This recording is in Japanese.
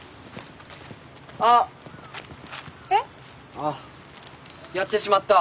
ああやってしまった。